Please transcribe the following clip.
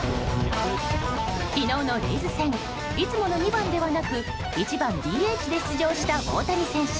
昨日のレイズ戦いつもの２番ではなく１番ＤＨで出場した大谷選手。